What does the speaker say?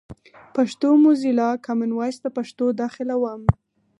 پښتو موزیلا، کامن وایس ته پښتو داخلوم.